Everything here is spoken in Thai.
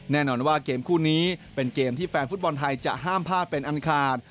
แน่นอนว่าเกมคู่นี้เป็นเกมที่แฟนฟุตบอลไทยจะห้ามพลาดเป็นอันขาด